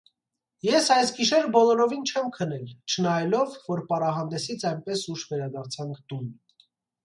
Ես այս գիշեր բոլորովին չեմ քնել, չնայելով, որ պարահանդեսից այնպես ուշ վերադարձանք տուն: